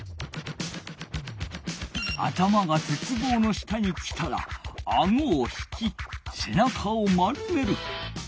頭が鉄棒の下に来たらあごを引きせなかを丸める。